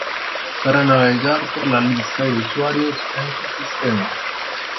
para navegar por la lista de usuarios en tu sistema.